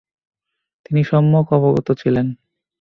তিনি সম্যক অবগত ছিলেন।